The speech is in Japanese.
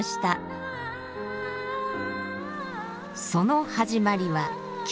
その始まりは「金」。